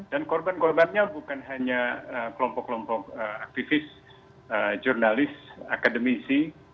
dan korban korbannya bukan hanya kelompok kelompok aktivis jurnalis akademisi